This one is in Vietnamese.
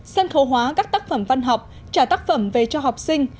sân khấu hóa các tác phẩm văn học trả tác phẩm về cho học sinh